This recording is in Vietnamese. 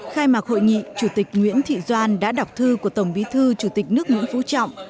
khai mạc hội nghị chủ tịch nguyễn thị doan đã đọc thư của tổng bí thư chủ tịch nước nguyễn phú trọng